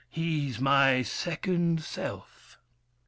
He's my second self.